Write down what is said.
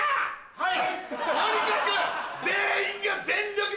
はい。